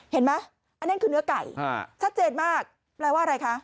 เห็นไหมอันนั้นคือเนื้อไก่ชัดเจนมากแปลว่าอะไรคะ